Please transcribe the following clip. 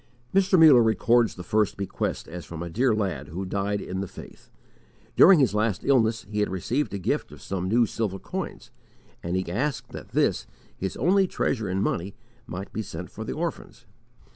Mr. Muller records the first bequest as from a dear lad who died in the faith. During his last illness, he had received a gift of some new silver coins; and he asked that this, his only treasure in money, might be sent for the orphans.